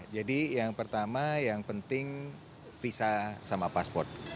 jadi yang pertama yang penting visa sama pasport